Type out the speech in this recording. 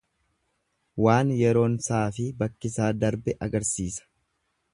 Waan yeroonsaafi bakkisaa darbe agarsiisa.